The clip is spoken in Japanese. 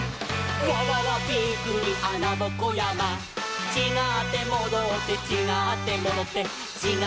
「わわわびっくりあなぼこやま」「ちがってもどって」「ちがってもどってちがってもどって」